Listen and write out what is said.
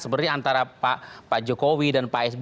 sebenarnya antara pak jokowi dan pak sby